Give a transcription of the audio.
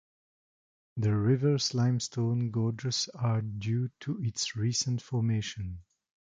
The river's limestone gorges are due to its recent formation.